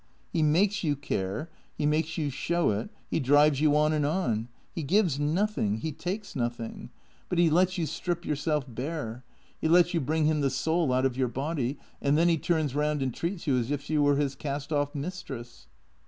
He makes you care, he makes you show it, he drives you on and on. He gives nothing; he takes nothing. But he lets you strip THE CEEATOES 105 yourself bare; he lets you bring him the soul out of your body, and then he turns round and treats you as if you were his cast off mistress."